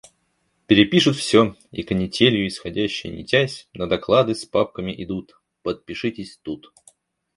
Перепишут всё и, канителью исходящей нитясь, на доклады с папками идут: – Подпишитесь тут!